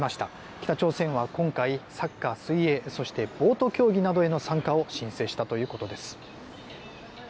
北朝鮮は今回、サッカー、水泳そして、ボート競技などへの参加を申請したということです。